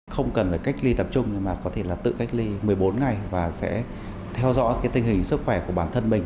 không cần phải cách ly tập trung mà có thể là tự cách ly một mươi bốn ngày và sẽ theo dõi tình hình sức khỏe của bản thân mình